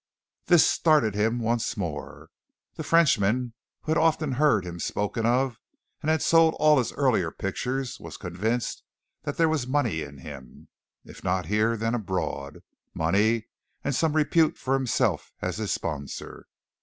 This started him once more. The Frenchman, who had often heard him spoken of and had sold all his earlier pictures, was convinced that there was money in him if not here then abroad money and some repute for himself as his sponsor.